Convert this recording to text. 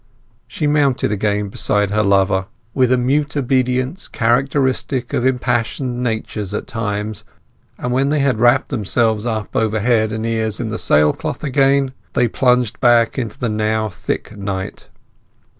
She mounted again beside her lover, with a mute obedience characteristic of impassioned natures at times, and when they had wrapped themselves up over head and ears in the sailcloth again, they plunged back into the now thick night.